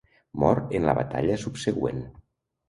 Mor en la batalla subsegüent.